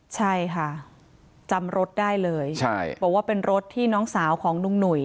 ใช่ค่ะจำรถได้เลยใช่บอกว่าเป็นรถที่น้องสาวของลุงหนุ่ย